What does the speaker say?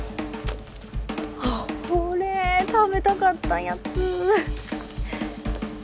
あっこれ食べたかったやつ。